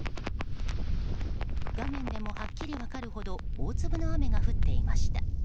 画面でもはっきり分かるほど大粒の雨が降っていました。